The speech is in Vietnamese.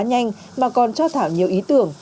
nhanh mà còn cho thảo nhiều ý tưởng